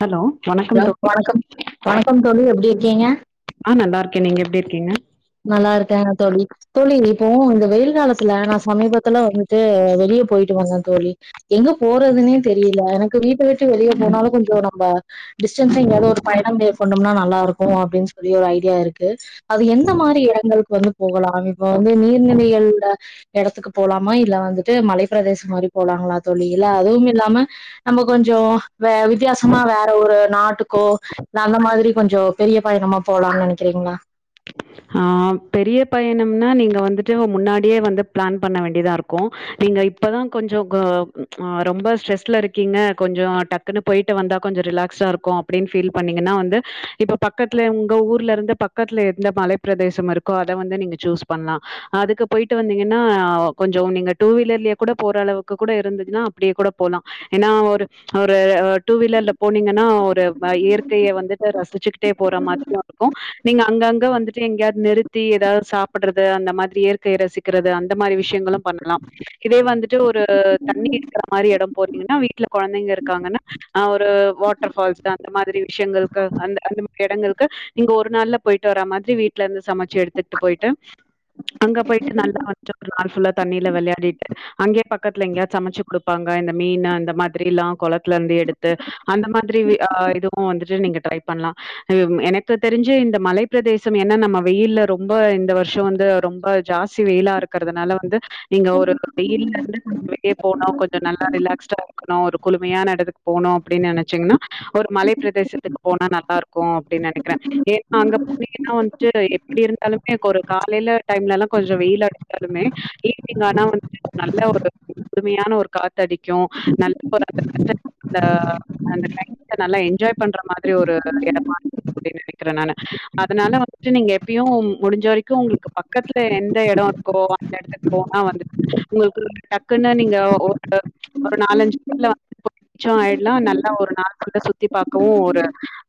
Hello வணக்கம் ய தோழி வணக்கம் வணக்கம் தோழி எப்டி இருக்கீங்க ஆ இருகே நீங்க எப்படி இருக்கீங்க நல்லா இருக்கேன்ங்க தோழி தோழி இப்போ இந்த வெயில் காலத்துல நா சமீபத்துல வந்துட்டு வெளியே போயிட்டு வந்தே தோழி எங்க போறதுன்னே தெரியல எனக்கு வீட்டை விட்டு வெளியே போனாலு கொஞ்ச நம்ம டிஸ்டன்ஸிங்காவது ஒரு பயணம் மேற்கொண்டோம்னா நல்லா இருக்கு அப்படின்னு சொல்லி ஒரு ஐடியா இருக்கு அது எந் அந்த மாரி இடங்களுக்கு வந்து போகலா இப்ப வந்து நீர்நிலைகள இடத்துக்கு போலாமா இல்ல வந்துட்டு மலைப்ப பிரதேசம் மாரி போலாங்களா தோழி இல்ல அதுவும் இல்லாம நம்ம கொஞ்ச வே வித்தியாசமா வேற ஒரு நாட்டுக்கோ இல்ல அந்த மாதிரி கொஞ்சோ பெரிய பயணமா போலாம்னு நினைக்கிறீங்களா ம் பெரிய பயணம்னா நீங்க வந்துட்டு முன்னாடியே வந்து பிளான் பண்ண வேண்டியதா இருக்கு நீங்க இப்பதா கொஞ்சோ ஆ ரொம்ப ஸ்ரெஸ்ல இருக்கீங்க கொஞ்சோ டக்குன்னு போயட்டு வந்தா கொஞ்சோ ரிலாக்ஸா இருக்கு அப்படின்னு பீல் பண்ணீங்கன்னா வந்து இப்ப பக்கத்துல உங்க ஊர்ல இருந்து பக்கத்துல இருந்து மலைப்பிரதேசம் இருக் அத வந்து நீங்க சூயூஸ் பண்ணலா அதுக்கு போயிட்டு வந்தீங்கன்னா கொஞ்சம் நீங்க டூ வீலர்லயே கூட போற அளவுக்கு கூட இருந்துதுன்னா அப்படியே கூட போலா ஏன்னா ஒரு அ ஒரு டூ வீலர்ல போனீங்கன்னா ஒரு வை இயற்கைய வந்துட்டு ரசிச்சுகிட்டே போற மாரியும் இருக்கு நீங்க அங்கங்க வந்துட்டு எங்கயாவது நிறுத் சுத்தி ஏதாவது சாப்பிடுறது அந்த மாதிரி இயற்கையை ரசிக்கிறது அந்த மாரி விஷயங்களும் பண்ணலா இதே வந்துட்டு ஒரு தண்ணி இருக்கிற மாரி இடம் போனீங்கன்னா வீட்டுல கெழந்தைங்க இருக்காங்கன்னா ஆ ஒரு வாட்டர் பால்ஸ் அந்த மாதிரி விஷயங்களுக்கு அந்த அந்த இடங்களுக்கு நீங்க ஒரு நாள்ல போயிட்டு வர மாதிரி வீட்டுல இருந்து சமைச் சு எடுத்துட்டு போயிட்டு அங்க போயிட்டு நல்லா வந்து நாள் ஃபுல்லா தண்ணியில விளையாடிட்டு அங்கேயே பக்கத்துல எங்கேயாவா சமைச்சு குடுப்பாங்க இந்த மீன் அந்த மாதிரி எல்லா குளத்துல இருந்து எடுத்து அந்த மாதிரி வி ஆ இதுவும் வந்துட்டு நீங்க ட்ரை பண்ணலா எனக்கு தெரிஞ்சு இந்த மலை பிரதேசம் என்ன நம்ம வெயில ரொம்ப இந்த வருஷம் வந்து ரொம்ப ஜாஸ்தி வெயிலா இருக்கிறதுனால வந்து நீங்க ஒரு வெயில் நாள்ல கொஞ்சோ வெளிய போன கொஞ்சோ நல்லா ரிலாக்ஸா இருக்கணு ஒரு குழுமையான இடத்துக்கு போனும் அப்படின்னு நினைச்சீங்கன்னா ஒரு மலை பிரதேசத்துக்கு போனா நல்லா இருக்கு அப்டின்னு நினைக்கிறே ஏன்னா அங்கபோனீங்கன்னா வந்துட்டு எப்படி இரு இருந்தாலுமே ஒரு காலையில டைம்ல்லால கொஞ்ச வெயில் அடிசாலுமே ஈவினிங் ஆனா வந்து நல்ல ஒரு முழுமையான ஒரு காத்தடிக்கு நல்ல [inaudible] அந்த க்கிளைமேட்பண்ற மாதிரி ஒரு இடமா இருப்ப நினைக்கிறே நானு அதனால வந்து நீங்க எப்பயு முடிஞ்ச வரைக்கு உங்களுக்கு பக்கத்துல எந்த இடம் இருக்கோ அந்த இடத்துக்கு போனா வந்து உங்களுக்கு டக்குன்னு நீங்க ஒரு ஒரு நாலஞ்சு நாள்ல வந்து [inaudible] பச்சம் ஆயிடலா நல்லா ஒரு நாள் புல்லா சுத்தி பார்க்கவு ஒரு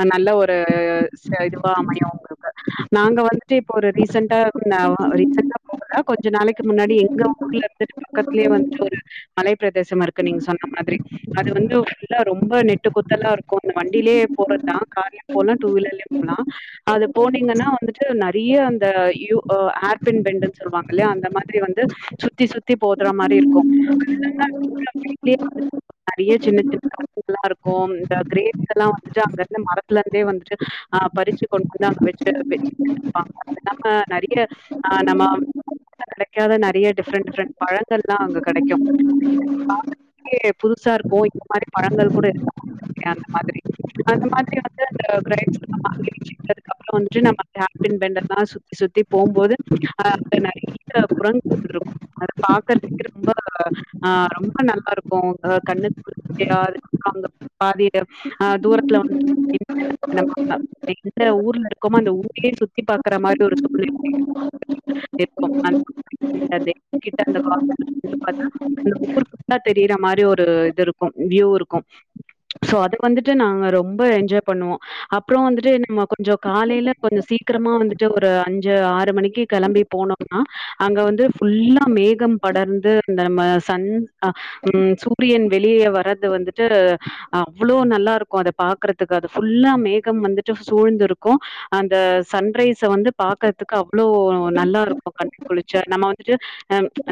அ நல்ல ஒரு இதுவா அமையு உங்களுக்கு நாங்க வந்துட்டு இப்ப ஒரு ரீசண்டா நா ரீசா போகுல கொஞ்ச நாளைக்கு முன்னாடி எங்க ஊர்ல இருந்துட்டு பக்கத்தலயே வந்துட்டு ஒரு மலை பிரதேசம் இருக்கு நீங்க சொன்ன மாதிரி அது வந்துல்லா ரொம்ப நெட்டு குத்தலா இருக்கு வண்டியிலயே போறதுதான் கார்லயும் போகலா டூ வீலர்லயும் போகலா அது போனீங்கன்னா வந்துட்டு நா றைய அந்த யூ அ ஏர் பின் பெண்டுன்னு சொல்லுவாங்க இல்லையா அந்த மாரி வந்து சுத்தி சுத்தி போதற மாரி இருக்கு அதுல [inaudible] வந்துட்டு சின்ன சின்ன இருக்கும் இந்த கிரேப்ஸ்ல்லா வந்துட்டு அங்க இருந்து மரத்துல இருந்தே வந்துட்டு அ பறிச்சு கொண்டுந்து அங்க வச்சாங்க அ நம்ம நெறைய ஆ நம்ம கிடைக்காத நிறைய டிஃரெண்ட் டிரெண்ட் பழங்கல்லா அங்க கிடைக்கும் புதுசா இருக்கு இந்த மாதிரி பழங்கள் கூட அந்த மாரி [inaudible] அந்த மாதிரியான கிரேப்ஸ்ல்லா வாங்கி வெச்சிட்டு [inaudible] வந்துட்டு நம்ம யூ பின் பெண்டல்லாம் சுத்தி சுத்தி போகும்போது அ அங்க நிறைய குரங்குகள் இருக்கு அத பாக்கறதுக்கு ரொம்ப அ ரொம்ப நல்லா இருக்கு அ கண்ணுக்கு குளிர்ச்சியா அங்க பாதி அ தூரத்துல வந்து [inaudible] எந்த ஊர்ல இருக்கோமோ அந்த ஊர் சுத்தி சுத்தி பாக்குற மாரி [inaudible] [inaudible] ஒரு சூழ்நிலை இருக்கு அந்தார்த்தா அந்த ஊருக்கு தெரியிற மாரி ஒரு இது இருக்கும் வியூ இருக்கும் சோ அத வந்துட்டு நாங்க ரொம்ப என்ஜாய் பண்ணுவோ அப்புறோ வந்துட்டு நம்ம கொஞ்சோ காலைல கொஞ்சோ சீக்கரமா வந்துட்டு ஒரு அஞ்சு ஆறு மணிக்கு கெளம்பி போனோம்னா அங்க வந்து ஃபுல்லா மேகம் படர்ந்து அந்த நம்ம சண்ஹ் உ சூரியன் வெளியே வரது வந்துட்டு அவ்வளோ நல்லா இருக்கு அத பாக்குறதுக்கு அது ஃபுல்லா மேகம் வந்துட்டு சூழ்ந்துருக்கு அந்த சன்ரைஸ வந்து பாக்கறதுக்கு அவ்ளோ நல்லாருக்கு கண்ணுக்கு குளிர்ச்சியா நம்ம வந்துட்டு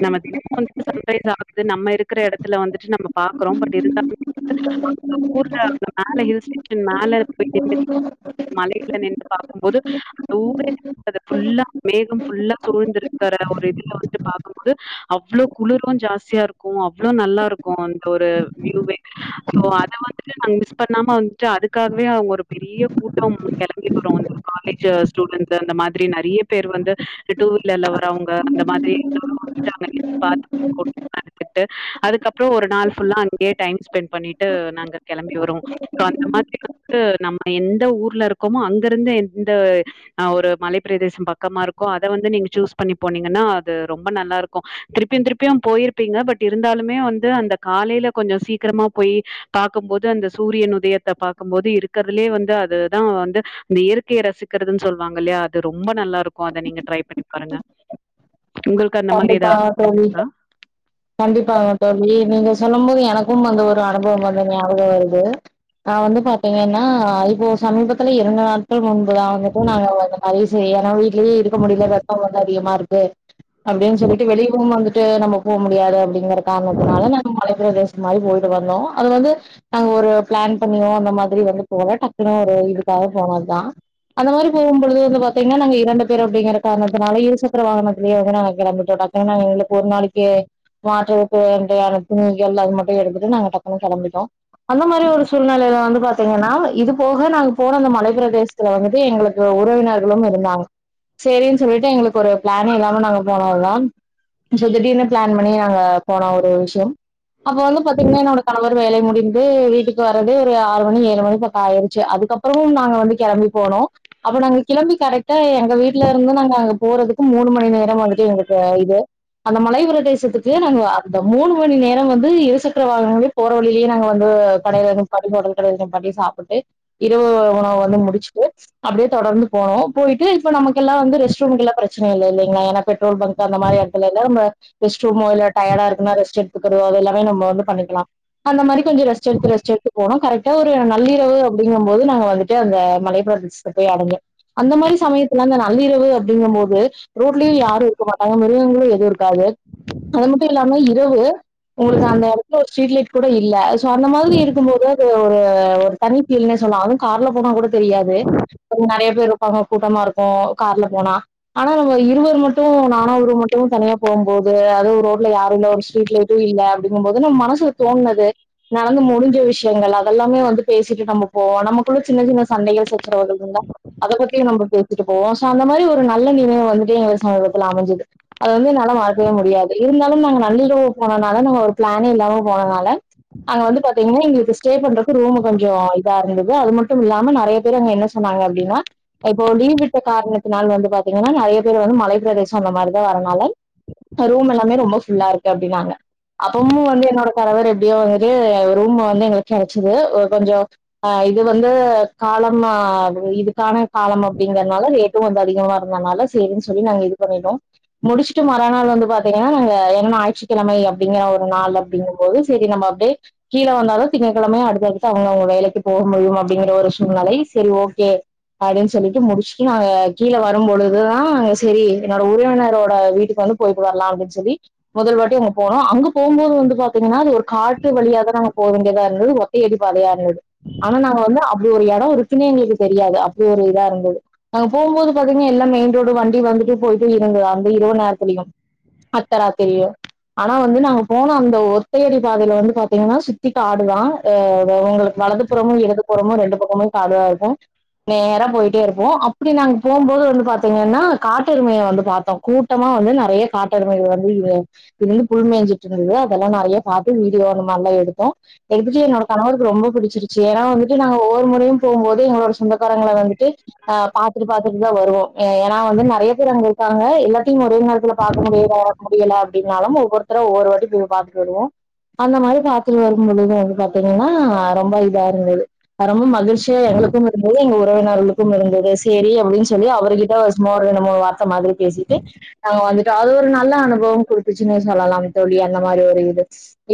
நம்ம தினோ வந்துட்டு சன்ரைஸ் ஆகுக்குது நம்ம இருக்கிற எடத்துல வந்துட்டு நம்ம பாக்குறோ பட் இருந்தாலு அந்த ஊர்லந்த மேல ஹில்ஸ்டேஷன் மேல போய் நின்னு [inaudible] மலையில நின்னு பாக்கும்போது அந்த ஊரே ஃபுல்லா மேகம் ஃபுல்லா தூழ்ந்திருக்கிற ஒரு இதுல வந்துட்டு பாக்கும்போது அவ்ளோ குளிரு ஜாஸ்தியா இருக்கு அவ்ளோ நல்லா இருக்கு அந்த ஒரு வியூவே சோ அத வந்துட்டு நாங்க மிஸ் பண்ணாம வந்துட்டு அதுக்காகவே அவங்க ஒரு பெரிய கூட்டோ கெளம்பி அப்பறோ அந்த காலேஜு ஸ்டூடென்ட்டூ அந்த மாத்ரி நைரையா பேர் வந்து டூ வீலர்ல வரவங்க அந்த மாத்ரிலா [inaudible] அதுக்கப்புறம் ஒரு நாள் ஃபுல்லா அங்க டைம் ஸ்பெண்ட் பண்ணிட்டு நாங்க கெளம்பி வருவோ சோ அந்த மாத்ரி நம்ம எந்த ஊர்ல இருக்கோமோ அந் இந்துருந்து எந்த ஒரு மலைப்பிரதேசம் பக்கமா இருக்கோ அத வந்து நீங்க சூஸ் பண்ணி போனீங்கன்னா அது ரொம்ப நல்லா இருக்கு திருப்பியு திருப்பியு போயிருப்பீங்க பட் இருந்தாலுமே வந்து அந்த காலையில கொஞ்சோ சீக்கரமா போய் பாக்கும்போது அந்த சூரியன் உதயத்த பாக்கும்போது இருக்கிறதுலயே வந்து அதுதா வந்து இந்த இயற்கய ரசிக்கிறதுன்னு சொல்லுவாங்க இல்லையா அது ரொம்ப நல்லாருக்கும் அத நீங்க ட்ரை பண்ணி பாருங்க உங்களுக்கு அந்த மாரி கண்டிப்பா ஏதாவது தோழி இருக்கா கண்டிப்பாங்க தோழி நீங்க சொல்லும்போது எனக்கும் அந்த ஒரு அனுபவம் வந்து ஞாபகோ வருது நா வந்து பாத்தீங்கன்னா இப்போ சமீபத்துல இரண்டு நாள் முன்புதா வந்துட்டு நாங்க அந்த மாரி [unintelligible] இதே இருக்க முடில வெப்பம் வந்து அதிகமா இருக்கு எட் அப்டின்னு சொல்லிட்டு வெளியவுவந்துட்டு ட்டு நம்ம போ முடியாது அப்டி ங்கிற காரணத்தினால ங்ற காரனத்தனால நம்ம மலை பிரதேசம் மாரி போயிட்டு வர்னு அது வந்து நாங்க ஒரு பிளான் பண்ணியோ அந்த மாத்ரி வந்து போல டக்குனு ஒரு இதுக்காக போனதுதா அந்த மாரி போகும்பொழுது வந்து பாத்தீங்கன்னா நாங்க இரண்டு பேர் அப்டிங்கற காரணத்தினால இருசக்கர வாகனத்திலேயே ப்ப நாங்க கெளம்பிட்டோ ட்ககுனு நாங்க எங்களுக்கு ஒரு நாளைக்கே வாட்டர் துன்டு [unintelligible] அதுட்டு எடுத்துட்டு நாங்க டக்குனு கெளம்பிட்டோ அந்த மாரி ஒரு சூழ்நெலேலந்துங்கன்னா இது போக நாங்க போன அந்த மலைப்பிரதேசத்துல வந்து எங்களுக் உறவினர்களு இருந்தாங்க சரின்னு சொல்லிட்டு எங்களுக்கு ஒரு பிளானே இல்லாம நாங்க போனதுதான் ஜோ திடீர்னு பிளான் பண்ணி நாங்க போனா ஒரு விஷயம் அப்ப வந்து பாத்தீங்கன்னா என்னோட க அவரு வேலை முடிந்து வீட்டுக்கு வரதே ஒரு ஆறு மணி ஏழு மணி பக்கோ ஆயிருச்சு அதுக்கப்புறமு நாங்க வந்து கிளம்பி போனோ அப்போ நாங்க கிளம்பி கரெக்டா எங்க வீட்டுல இருந்து நாங்க அங்க போறதுக்கு மூணு மணி நேரோ வந்துட்டு து வந்துட்டு இது அந்த மலைபிரதேசத்துக்கு நாங்க அந்த மூணு மணி நேரோ வந்து இரு சக்கர வாகனங்களே போற வழிலயே நாங்க வந்து [unintelligible] சாப்பிட்டு இரவு உணவு வந்து முடிச்சிட்டு அப்டியே தொடர்ந்து போனோ போயிட்டு இப்ப நமக்கெல்லா வந்து ரெஸ்ட்ரூம்குலா பிரச்சன இல்ல இல்லேங்களா ஏனா பெட்ரோல் பங்க் அந்த மாரி எடத்துல இருந்தே நம்ம ரெஸ்ட் ரூமோ இல்ல டயார்டா இருக்குனா ரெஸ்ட் எடுத்துக்கரோ அத எல்லாமே நம்மோ வந்து பண்ணிக்கலா அந்த மாரி கொஞ்சோ ரெஸ்ட் எடுத்து ரெஸ்ட் எடுத்து போனோ கரெக் ஒரு நள்ளிரவு அப்டிங்கும்போது நாங்க வந்துட்டு அந்த மலைப்பிரதேசத்த போய் அடைஞ்சோ அந்த மாரி சமயத்துல அந்த நள்ளிரவு அப்டிங்கும்போது ரோட்லே யாரூ அப்போ மிருகங்களு எதுவு இருக்காது அது மட்டு இல்லாம இரவு உங்களுக்கு அந்த எடத்துல ஒரு ஸ்ட்ரீட் லைட் கூட இல்ல சோ அந்த மாத்ரி இருக்கும்போது அது ஒரு தனி ஃபீல்னே சொல்லளா அதுவு கார்ல போனா கூட தெரியாது நெரையா பேர் இருப்பாங்க கூட்டமா இருக்கு கார்ல போன ஆனா இருவர் மட் மட்டு நானு அவரூ மட்டு தனியா போம் போது அதுவு ரோட்ல யாரு இல்ல ஒரு ஸ்ட்ரீட் லைட்டு இல்ல அப்டிங்கும் போது நம்ம மனசுல தோண்னது நடந்து முடிஞ்ச விஷயங்கள் அதெல்லாமே வந்து பேசிட்டு நம்ம போவோ நமக்குள்ள சின்ன சின்ன சண்டைகள் சச்சரவுகள் இருந்தா அத பத்தியு நம்ம பேசிட்டு போவோ சோ அந்த மாரி ஒரு நல்ல நினைவு வந்துட்டு [unintelligible] அமைஞ்சது அது வந்து என்னால மறக்கவே முடியாது இருந்தாலு நாங்க நள்ளிரவு போனனால நாங்க ஒரு பிளானே இல்லாம போனனால அங்க வந்து பாத்தீங்கன்னா எங்களுக்கு ஸ்டே பண்றது ரூம் கொஞ்சோ இதா இருந்தது அது மட்டுமில்லாம நெறையா பேர் அங்க என்ன சொன்னாங்க அப்டின்னா இப்போ லீவ் விட்ட காரணத்தினால வந்து பாத்தீங்கன்னா நெறையா பேர் வந்து மலை பிரேதேசோ அந்த மாரிதா வரனால ரூம் எல்லாமே ரொம்ப ஃபுல்லா இருக்கு அப்டின்னாங்க அப்பமு வந்து என்னோட கனவர் எப் அப்டியே ஒரு ரூம வந்து எங்களுக்கு கெடைச்சுது கொஞ்சோ இது வந்து காலம் இதுக்கான காலம் அப்டிங்கிறனால ரேட்டும் கொஞ்சோ அதிகமா இருந்தனால சேரினு சொல்லி நாங்க இது இது பன்னிட்டோ முடிச்சுட்டு மறா நாள் வந்து பாத்தீங்கன்னா நாங்க என்னன்ன ஞாயிற்றுக்கிழமை அப்டிங்கிற ஒரு நாள் அப்டிங்கும் போது சரி நம்ம அப்டியே கீழ வந்தாலு திங்ககிழமையா அடுத்தடுத்து அவங்க அவங்க வேலைக்கு போக முடியு அப்டிங்கற ஒரு சூழ்நிலை சரி ஓகே அப்டின்னு சொல்லிட்டு முடிச்சுட்டு நாங்க கீழ வரும்பொழுதுதா செரி என்னோட உறவினரோட வீட்டுக்கு வந்து போயிட்டு வரலா அப்டின்னு சொல்லி முதல் வாட்டி அங்க போனோ அங்க போம்போது வந்து பாத்தீங்கன்னா அது ஒரு காட்டு வழியா தா நாங்க போக வேண்டியதா இருந்தது ஒத்த அடிப்பாதயா இருந்தது ஆனா நாங்க வந்து அப்டி ஒரு எடோ இருக்குன்னே எங்களுக்கு தெரியாது அப்டி ஒரு இதா இருந்தது நாங்க போம்போது பாத்தீங்கன்னா எல்லா மெயின் ரோடு வண்டி வந்துட்டு போய்ட்டே இறங்குனா அந்த இரவு நேரத்திலயு அத்தராத்திரியு ஆனா வந்து நாங்க போன அந்த ஒத்தயடி பாதையில வந்து பாத்தீங்கன்னா சுத்தி காடுதா அ உங்களுக்கு வலது புறமோ இடதுப்புறமோ ரெண்டு பக்கமு காடுதா இருக்கு நேரா போயிட்டே இருப்போ அப்டி நாங்க போம்போது வந்து பாத்தீங்கன்னா காட் காட்டெருமைய வந்து பாத்தோ கூட்டமா வந்து நெறையா காட்டெருமைகள் வந்து இருந்து புல்மேஞ்சுட்டு இருந்தது அதெல்லா நெறையா பாத்து வீடியோ அந்த மாரிலா எடுத்தோ எடுத்துட்டு என்னோட கணவருக்கு ரொம்ப பிடிச்சிருச்சு ஏன்னா வந்துட்டு நாங்க ஒவ்வொரு முறையு போம்போது எங்களோட சொந்தக்காரங்கள வந்துட்டு அ பாத்துட்டு பாத்துட்டு தா வருவோ ஏனா வந்து நெறையா கிறவங்க இருக்காங்க இல்ல [unintelligible] ஒரே நேரத்துல பாக்க முடியிரோ முடியல அப்டின்னாலு ஒவ்வொருத்தரா ஒவ்வொரு வாட்டி போய் பாத்துட்டு வருவோ அந்த மாரி பாத்துட்டு வரும்பொழுது வந்து பாத்தீங்கன்னா ரொம்ப இதா இருந்துது அ ரொம்ப மகிழ்ச்சியா எங்களுக்கும் இருந்தது எங்க ஒரு உறவினர்களுக்கு இருந்தது சேரி அப்டின்னு சொல்லி அவருகிட்ட சும்மா ஒரு ரெண்டு மூணு வார் த்த மாதிரி பேசிட்டு நாங்க வந்துட்டு அது ஒரு நல்ல அனுபவோ குடுத்துச்சுனே சொல்லலா தோழி அந்த மாரி ஒரு இது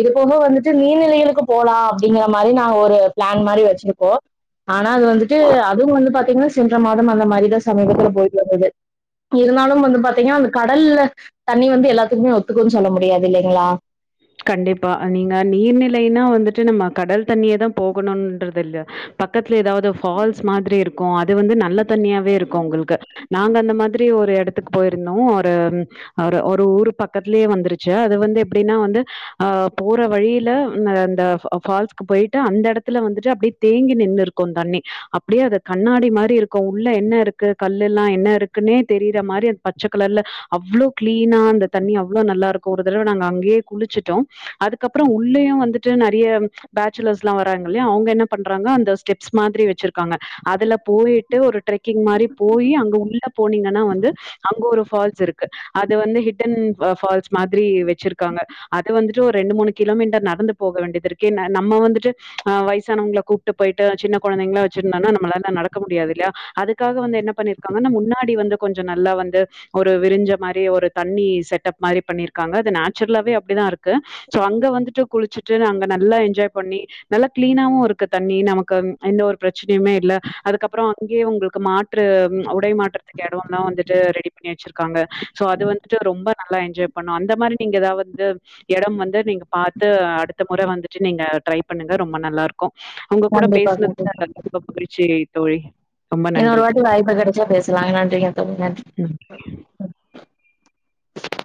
இது போக வந்துட்டு நீர்நிலைகளுக்கு போலா அப்டிங்கிற மாரி நாங்க ஒரு பிளான் மாரி வச்சிருப்போ ஆனா அது வந்துட்டு அதுவு வந்து பாத்தீங்கன்னா சென்ற மாதம் அந்த மாரிதா சமீபத்துல போயிட்டு வந்துது இருந்தாலு வந்து பாத்தீங்கன்னா அந்த கடல்ல தண்ணி வந்து எல்லாத்துக்குமே ஒத்துக்கும்ன்னு சொல்ல முடியாது இல்லைங்களா கண்டிப்பா நீங்க நீர்நிலைனா வந்துட்டு நம்ம கடல் தண்ணியே தா போகணும்ன்றது இல்ல பக்கத்துல ஏதாவது ஃபால்ஸ் மாதிரி இருக்கு அது வந்து நல்ல தன்னியாவே இருக்கோ உங்களுக்கு நாங்க அந்த மாதிரி ஒரு எடத்துக்கு போயிருந்தோ ஒரு ஒரு ஊரு பக்கத்துலயே வந்துருச்சு அது வந்து எப் அப்டின்னா வந்து அ போற வழில ந அந்த ஃபால்ஸுக்கு போயிட்டு அந்த எடத்துல வந்துட்டு அப்டியே தேங்கி நின்னுருக்கு தண்ணி அப்டியே அது கண்ணாடி மாரி இருக்கு உள்ள என்ன இருக்கு கல்லெல்லா என்ன இருக்குன்னே தெரியிற மாரி அந்த பச்ச கலர்ல அவ்ளோ கிளீனா அந்த தண்ணி அவ்ளோ நல்லா இருக்கு ஒரு தரவ நாங்க அங்க அங்கயே குளிச்சிட்டோ அதுக்கப்புறோ உள்ளயு வந்துட்டு நறையா பேச்சுலர்ஸ்லா வராங்கல்லயா அவங்க என்ன பண்றாங்க அந்த ஸ்டெப்ஸ் மாத்ரி வச்சிருக்காங்க அதுல போயிட்டு ஒரு ட்ரெக்கிங் மாரி போயி அங்க உள்ள போனீங்கனா வந்து அங்க ஒரு ஃபால்ஸ் இருக்கு அது வந்து ஹிட்டன் ஃபால்ஸ் மாரி வெச்சிருக் காங்க அத வந்துட்டு ஒரு ரெண்டு மூணு கிலோமீட்டர் நடந்து போக வேண்டியது இருக்கு நம்ம வந்துட்டு அ வயசானவங்கள கூப்பிட்டு போய்ட்டு சின்ன கொழந்தைங்கள வச்சிருந்தானா நம்மளால நடக்க முடியாது இல்லையா அதுக்காக வந்து என்ன பண்ணிருக்காங்க முன்னாடி வந்து கொஞ்சோ நல்லா வந்து ஒரு விரிஞ்ச மாரி ஒரு தண்ணி செட்டப் மாரி பண்ணிருக்காங்க அது நேச் சுரலாவே அப்டிதா இருக்கு சோ அங்க வந்துட்டு குளிச்சுட்டு அங்க நல்லா என்ஜாய் பண்ணி நல்லா கிளீனாவு இருக்கு தண்ணி நமக்கு எந்த ஒரு பிரச்சனையுமே இல்ல அதுக்கப்புறோ அங்கயே உங்களுக்கு மாற்று உடை மாற்றதுக்கு எடோல்லா வந்துட்டு ரெடி பண்ணி வச்சிருக்காங்க சோ அது வந்துட்டு ரொம்ப நல்லா என்ஜாய் பண்ண பன்னோ அந்த மாரி நீங்கதா வந்து எடம் வந்து நீங்க பாத்து அடுத்த முறை வந்துட்டு நீங்க ட்ரை பண்ணுங்க ரொம்ப நல்லா இருக்கோ க்கும் உங்க கூட கண்டிப்பா பேசுனதுல எனக்கு ரொம்ப மகிழ்ச்சி தோழி ரொம்ப இன்னோறு நன்றி. வாட்டி வாய்ப்பு கெடைச்சா பேசலாங்க நன்றிங்க தோழி நன்றி ம்.